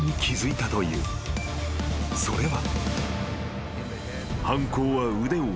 ［それは］